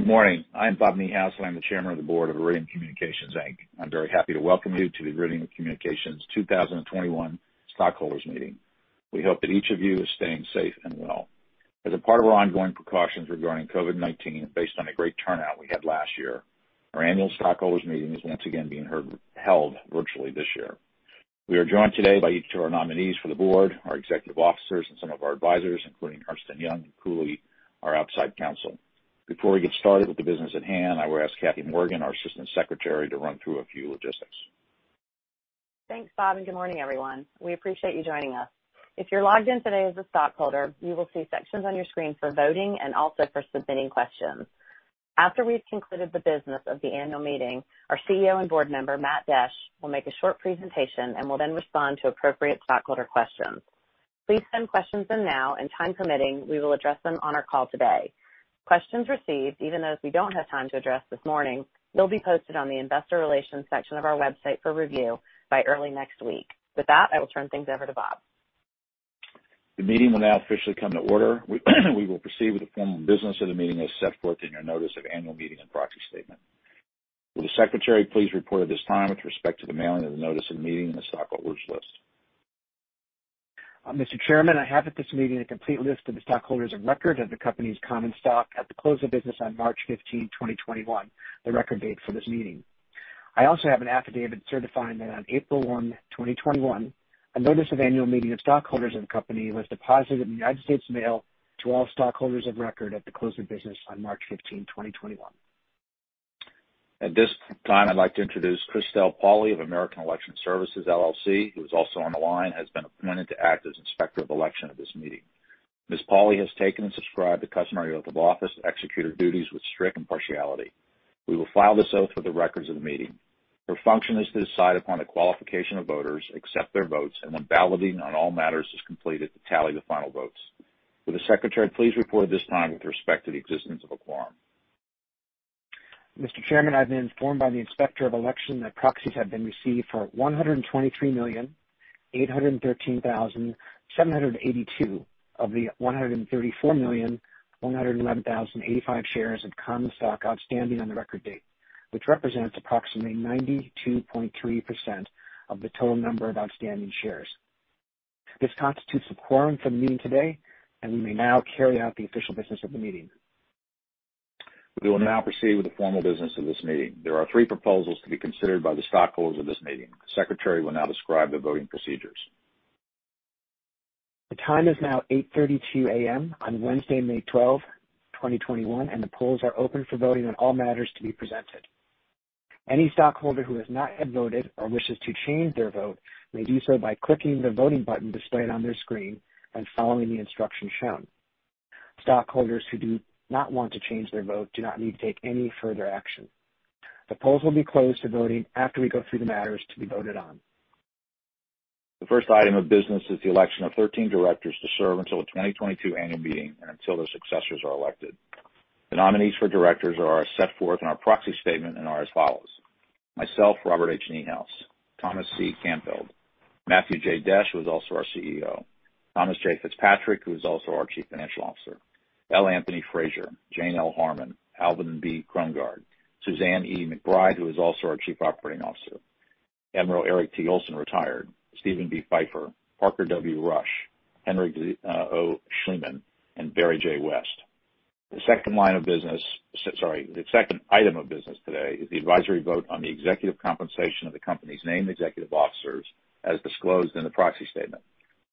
Good morning. I'm Bob Niehaus. I'm the Chairman of the Board of Iridium Communications Inc I'm very happy to welcome you to the Iridium Communications 2021 stockholders meeting. We hope that each of you is staying safe and well. As a part of our ongoing precautions regarding COVID-19, based on a great turnout we had last year, our annual stockholders meeting is once again being held virtually this year. We are joined today by each of our nominees for the board, our executive officers, and some of our advisors, including Ernst & Young and Cooley, our outside counsel. Before we get started with the business at hand, I will ask Kathy Morgan, our Assistant Secretary, to run through a few logistics. Thanks, Bob. Good morning, everyone. We appreciate you joining us. If you're logged in today as a stockholder, you will see sections on your screen for voting and also for submitting questions. After we've concluded the business of the annual meeting, our CEO and board member, Matt Desch, will make a short presentation and will then respond to appropriate stockholder questions. Please send questions in now. Time permitting, we will address them on our call today. Questions received, even those we don't have time to address this morning, will be posted on the investor relations section of our website for review by early next week. With that, I will turn things over to Bob. The meeting will now officially come to order. We will proceed with the formal business of the meeting as set forth in your notice of annual meeting and proxy statement. Will the secretary please report at this time with respect to the mailing of the notice of the meeting and the stockholders list? Mr. Chairman, I have at this meeting a complete list of the stockholders of record of the company's common stock at the close of business on March 15, 2021, the record date for this meeting. I also have an affidavit certifying that on April 1, 2021, a notice of annual meeting of stockholders of the company was deposited in the United States Mail to all stockholders of record at the close of business on March 15, 2021. At this time, I'd like to introduce Kristel Pauley of American Election Services, LLC, who is also on the line, has been appointed to act as Inspector of Election of this meeting. Ms. Pauley has taken and subscribed the customary oath of office to execute her duties with strict impartiality. We will file this oath for the records of the meeting. Her function is to decide upon the qualification of voters, accept their votes, and when balloting on all matters is completed, to tally the final votes. Will the Secretary please report at this time with respect to the existence of a quorum? Mr. Chairman, I've been informed by the Inspector of Election that proxies have been received for 123,813,782 of the 134,111,085 shares of common stock outstanding on the record date, which represents approximately 92.3% of the total number of outstanding shares. This constitutes a quorum for the meeting today, and we may now carry out the official business of the meeting. We will now proceed with the formal business of this meeting. There are three proposals to be considered by the stockholders at this meeting. The secretary will now describe the voting procedures. The time is now 8:32 A.M. on Wednesday, May 12, 2021, and the polls are open for voting on all matters to be presented. Any stockholder who has not yet voted or wishes to change their vote may do so by clicking the voting button displayed on their screen and following the instructions shown. Stockholders who do not want to change their vote do not need to take any further action. The polls will be closed to voting after we go through the matters to be voted on. The first item of business is the election of 13 directors to serve until the 2022 annual meeting and until their successors are elected. The nominees for directors are as set forth in our proxy statement and are as follows: myself, Robert H. Niehaus, Thomas C. Canfield, Matthew J. Desch, who is also our CEO, Thomas J. Fitzpatrick, who is also our Chief Financial Officer, L. Anthony Frazier, Jane L. Harman, Alvin B. Krongard, Suzanne E. McBride, who is also our Chief Operating Officer, Admiral Eric T. Olson, retired, Steven B. Pfeiffer, Parker W. Rush, Henrik O. Schliemann, and Barry J. West. Sorry. The second item of business today is the advisory vote on the executive compensation of the company's named executive officers as disclosed in the proxy statement.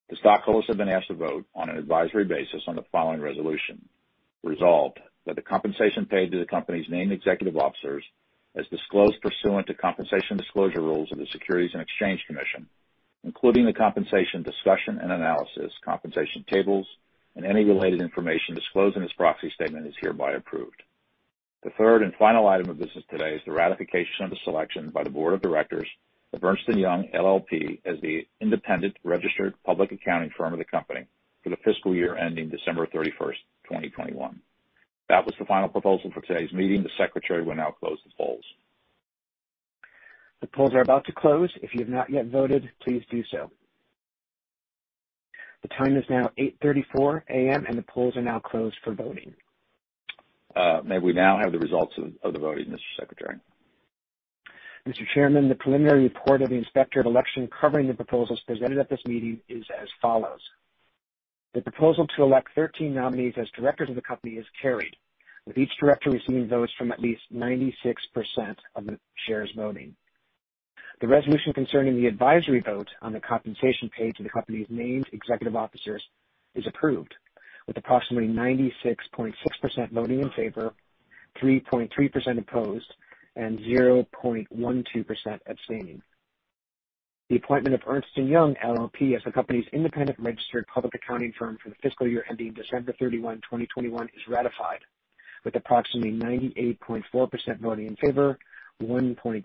The stockholders have been asked to vote on an advisory basis on the following resolution: resolved, that the compensation paid to the company's named executive officers, as disclosed pursuant to compensation disclosure rules of the Securities and Exchange Commission, including the compensation discussion and analysis, compensation tables, and any related information disclosed in this proxy statement, is hereby approved. The third and final item of business today is the ratification of the selection by the board of directors of Ernst & Young LLP as the independent registered public accounting firm of the company for the fiscal year ending December 31st, 2021. That was the final proposal for today's meeting. The Secretary will now close the polls. The polls are about to close. If you have not yet voted, please do so. The time is now 8:34 A.M., and the polls are now closed for voting. May we now have the results of the voting, Mr. Secretary? Mr. Chairman, the preliminary report of the Inspector of Election covering the proposals presented at this meeting is as follows. The proposal to elect 13 nominees as directors of the company is carried, with each director receiving votes from at least 96% of the shares voting. The resolution concerning the advisory vote on the compensation paid to the company's named executive officers is approved with approximately 96.6% voting in favor, 3.3% opposed, and 0.12% abstaining. The appointment of Ernst & Young LLP as the company's independent registered public accounting firm for the fiscal year ending December 31, 2021, is ratified with approximately 98.4% voting in favor, 1.4%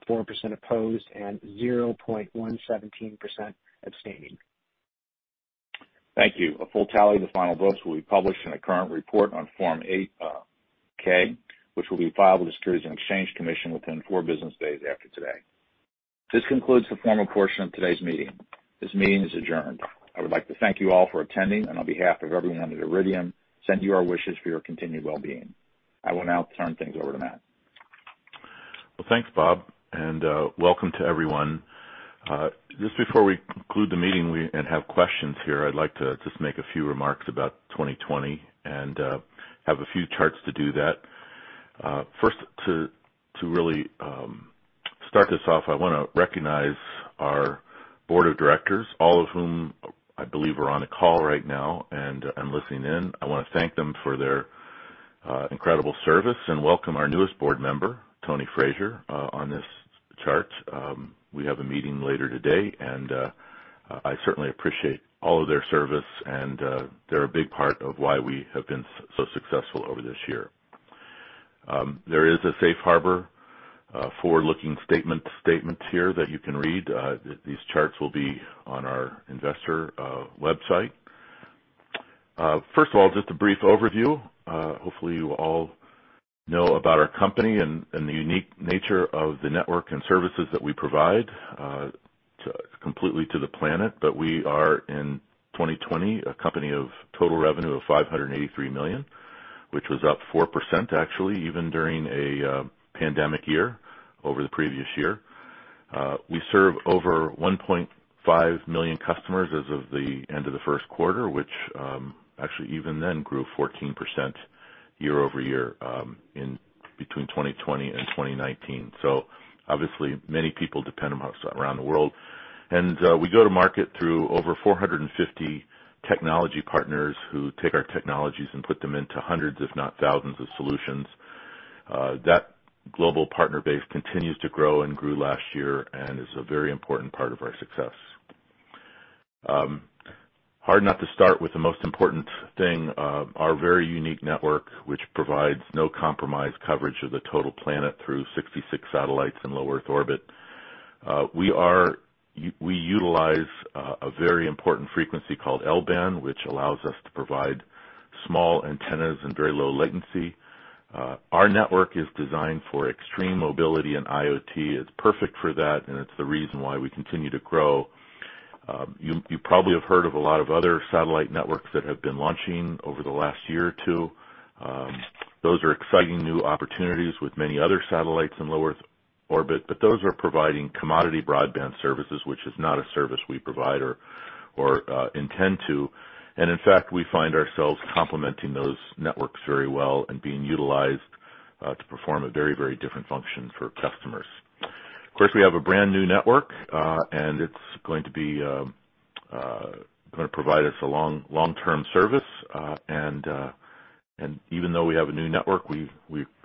opposed and 0.17% abstaining. Thank you. A full tally of the final votes will be published in a current report on Form 8-K, which will be filed with the Securities and Exchange Commission within four business days after today. This concludes the formal portion of today's meeting. This meeting is adjourned. I would like to thank you all for attending, and on behalf of everyone under Iridium, send you our wishes for your continued wellbeing. I will now turn things over to Matt. Well, thanks, Bob, and welcome to everyone. Just before we conclude the meeting and have questions here, I'd like to just make a few remarks about 2020 and have a few charts to do that. To really start this off, I want to recognize our board of directors, all of whom I believe are on the call right now and listening in. I want to thank them for their incredible service and welcome our newest board member, Tony Frazier, on this chart. We have a meeting later today, and I certainly appreciate all of their service, and they're a big part of why we have been so successful over this year. There is a safe harbor forward-looking statement here that you can read. These charts will be on our investor website. Just a brief overview. Hopefully, you all know about our company and the unique nature of the network and services that we provide completely to the planet. We are, in 2020, a company of total revenue of $583 million, which was up 4% actually, even during a pandemic year, over the previous year. We serve over 1.5 million customers as of the end of the first quarter, which actually even then grew 14% year-over-year in between 2020 and 2019. Obviously, many people depend on us around the world. We go to market through over 450 technology partners who take our technologies and put them into hundreds, if not thousands, of solutions. That global partner base continues to grow and grew last year and is a very important part of our success. Hard not to start with the most important thing, our very unique network, which provides no-compromise coverage of the total planet through 66 satellites in low-Earth orbit. We utilize a very important frequency called L-band, which allows us to provide small antennas and very low latency. Our network is designed for extreme mobility. IoT is perfect for that, and it's the reason why we continue to grow. You probably have heard of a lot of other satellite networks that have been launching over the last year or two. Those are exciting new opportunities with many other satellites in low-Earth orbit, but those are providing commodity broadband services, which is not a service we provide or intend to. In fact, we find ourselves complementing those networks very well and being utilized to perform a very different function for customers. Of course, we have a brand-new network, and it's going to provide us a long-term service. Even though we have a new network, we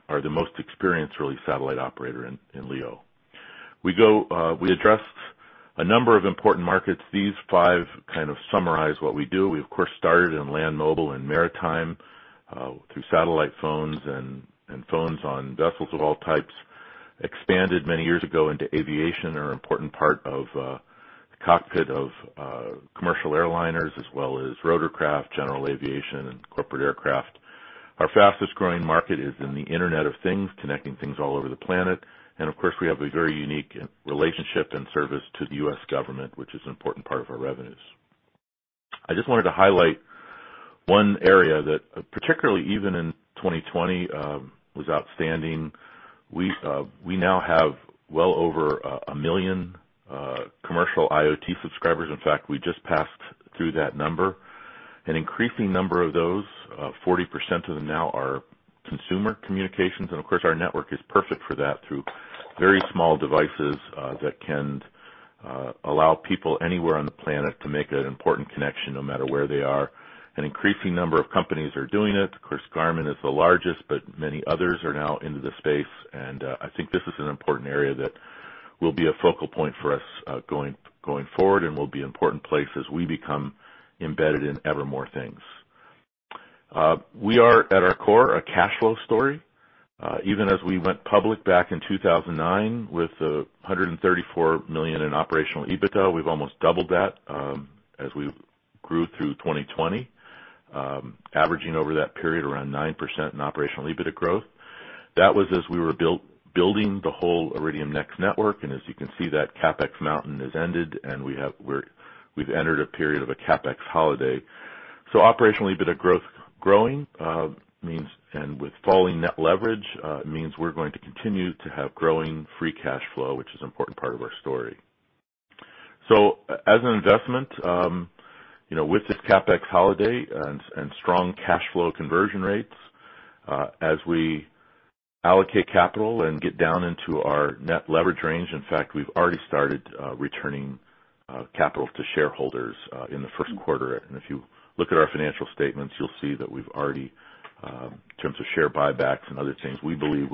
are the most experienced, really, satellite operator in LEO. We address a number of important markets. These five kind of summarize what we do. We, of course, started in land mobile and maritime through satellite phones and phones on vessels of all types. We expanded many years ago into aviation, are an important part of the cockpit of commercial airliners as well as rotorcraft, general aviation, and corporate aircraft. Our fastest-growing market is in the Internet of Things, connecting things all over the planet. Of course, we have a very unique relationship and service to the U.S. government, which is an important part of our revenues. I just wanted to highlight one area that particularly even in 2020, was outstanding. We now have well over a million commercial IoT subscribers. In fact, we just passed through that number. An increasing number of those, 40% of them now, are consumer communications. Of course, our network is perfect for that through very small devices that can allow people anywhere on the planet to make an important connection no matter where they are. An increasing number of companies are doing it. Of course, Garmin is the largest, but many others are now into the space. I think this is an important area that will be a focal point for us going forward and will be an important place as we become embedded in ever more things. We are, at our core, a cash flow story. As we went public back in 2009 with $134 million in operational EBITDA, we've almost doubled that as we grew through 2020, averaging over that period around 9% in operational EBITDA growth. That was as we were building the whole Iridium NEXT network, as you can see, that CapEx mountain has ended, and we've entered a period of a CapEx holiday. Operational EBITDA growth growing, with falling net leverage, it means we're going to continue to have growing free cash flow, which is an important part of our story. As an investment, with this CapEx holiday and strong cash flow conversion rates, as we allocate capital and get down into our net leverage range, in fact, we've already started returning capital to shareholders in the first quarter. If you look at our financial statements, you'll see that we've already, in terms of share buybacks and other things, we believe,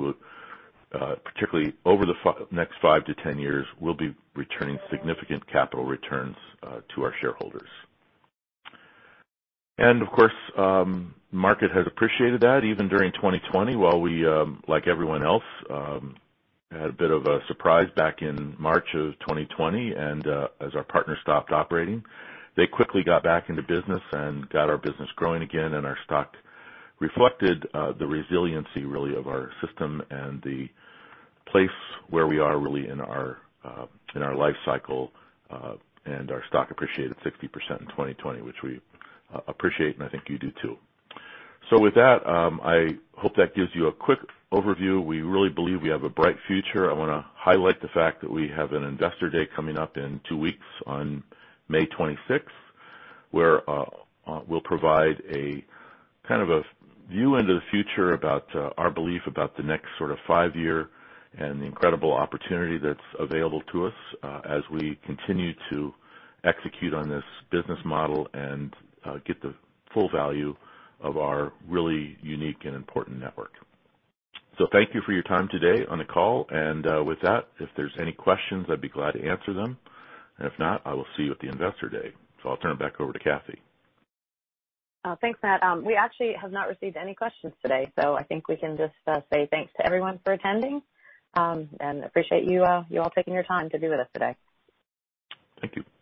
particularly over the next five to 10 years, we'll be returning significant capital returns to our shareholders. Of course, market has appreciated that even during 2020, while we, like everyone else, had a bit of a surprise back in March of 2020. As our partner stopped operating, they quickly got back into business and got our business growing again, and our stock reflected the resiliency, really, of our system and the place where we are, really, in our life cycle, and our stock appreciated 60% in 2020, which we appreciate, and I think you do, too. With that, I hope that gives you a quick overview. We really believe we have a bright future. I want to highlight the fact that we have an investor day coming up in two weeks on May 26th, where we'll provide a kind of a view into the future about our belief about the next sort of five-year and the incredible opportunity that's available to us as we continue to execute on this business model and get the full value of our really unique and important network. Thank you for your time today on the call. With that, if there's any questions, I'd be glad to answer them. If not, I will see you at the investor day. I'll turn it back over to Kathy. Thanks, Matt. We actually have not received any questions today. I think we can just say thanks to everyone for attending, and appreciate you all taking your time to be with us today. Thank you. All right.